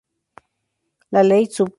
La Ley, Sup.